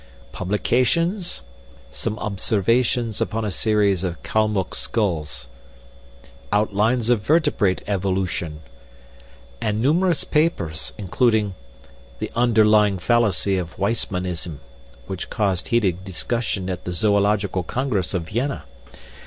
'Publications: "Some Observations Upon a Series of Kalmuck Skulls"; "Outlines of Vertebrate Evolution"; and numerous papers, including "The underlying fallacy of Weissmannism," which caused heated discussion at the Zoological Congress of Vienna.